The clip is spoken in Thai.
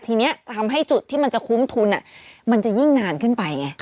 ทีนี้ทำให้จุดที่มันจะคุ้มทุนมันจะยิ่งนานขึ้นไปไง